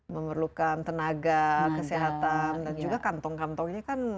memerlukan tenaga kesehatan dan juga kantong kantongnya kan